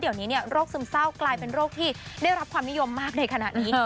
เดี๋ยวนี้โรคซึมเศร้ากลายเป็นโรคที่ได้รับความนิยมมากในขณะนี้